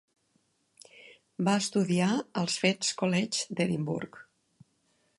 Va estudiar al Fettes College d'Edimburg.